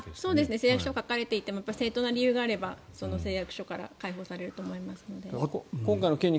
誓約書を書かれていても正当な理由があれば、誓約書から解放されると思いますので。